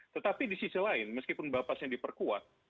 tetapi di sisi lain meskipun bapas nya diperkuat